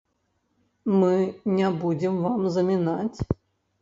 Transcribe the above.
Мы не будзем вам замінаць.